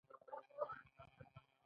هلته انجینران هم د کارګرانو ترڅنګ کار کوي